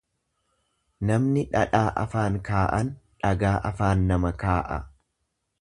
Namni dhadhaa afaan kaa'an dhagaa afaan nama kaa'a.